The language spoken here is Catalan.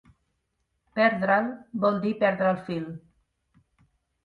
Perdre'l vol dir perdre el fil.